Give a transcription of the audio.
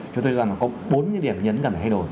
chúng tôi rằng là có bốn điểm nhấn cần phải thay đổi